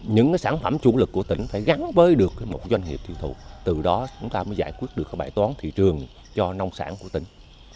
những sản phẩm chủ lực của tỉnh phải gắn với được một doanh nghiệp tiêu thụ từ đó chúng ta mới giải quyết được cái bài toán thị trường cho nông sản của tỉnh